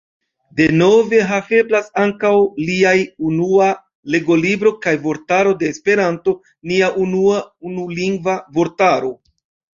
Denove haveblas ankaŭ liaj Unua legolibro kaj Vortaro de Esperanto, nia unua unulingva vortaro.